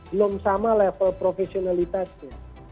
belum sama level profesionalitasnya